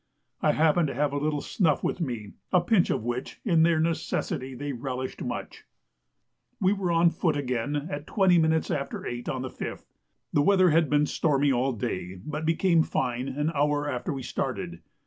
I happened to have a little snuff with me, a pinch of which, in their necessity, they relished much. We were on foot again at 20 minutes after 8 on the 5th. The weather had been stormy all day, but became fine an hour after we started.